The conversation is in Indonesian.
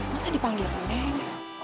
masa dipanggil nenek